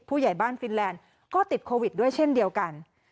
ผู้ใหญ่บ้านฟินแลนด์ก็ติดโควิดด้วยเช่นเดียวกัน